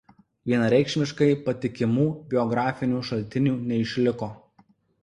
Vienareikšmiškai patikimų biografinių šaltinių neišliko.